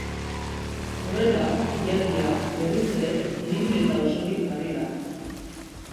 Horrela, ilargia, berriz ere, biribil eta osorik jarri da.